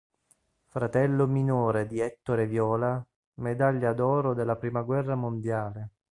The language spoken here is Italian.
Fratello minore di Ettore Viola, medaglia d'oro della prima guerra mondiale.